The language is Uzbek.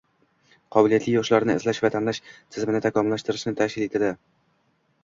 qobiliyatli yoshlarni izlash va tanlash tizimini takomillashtirishni tashkil etadi.